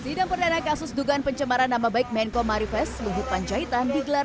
sidang perdana kasus dugaan pencemaran nama baik menko marifest luhut panjaitan digelar